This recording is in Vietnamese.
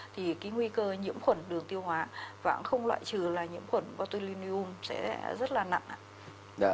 thì cái nguy cơ nhiễm khuẩn đường tiêu hóa và cũng không loại trừ là nhiễm khuẩn autulinium sẽ rất là nặng